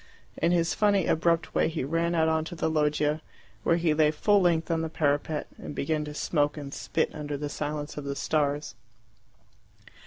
In his funny abrupt way he ran out on to the loggia, where he lay full length on the parapet, and began to smoke and spit under the silence of the stars.